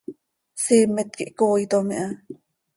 Siimet quih cooitom iha.